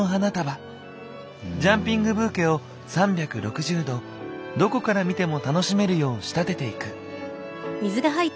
ジャンピングブーケを３６０度どこから見ても楽しめるよう仕立てていく。